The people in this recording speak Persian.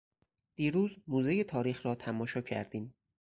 دیروز موزهٔ تاریخ را تماشا کردیم.